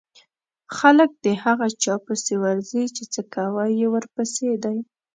خلک د هغه چا پسې ورځي چې څکوی يې ورپسې دی.